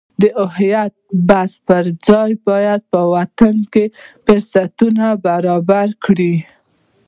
د هویت د بحث پرځای باید په وطن کې فرصتونه برابر کړو.